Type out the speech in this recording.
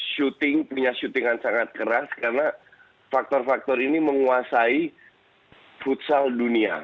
shooting punya shooting an sangat keras karena faktor faktor ini menguasai futsal dunia